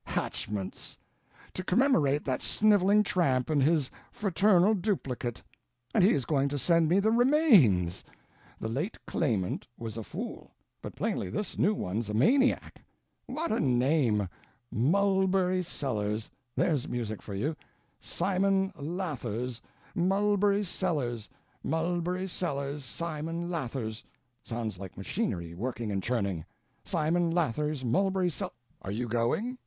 Hatchments! To commemorate that sniveling tramp and his, fraternal duplicate. And he is going to send me the remains. The late Claimant was a fool, but plainly this new one's a maniac. What a name! Mulberry Sellers—there's music for you, Simon Lathers—Mulberry Sellers—Mulberry Sellers—Simon Lathers. Sounds like machinery working and churning. Simon Lathers, Mulberry Sel—Are you going?"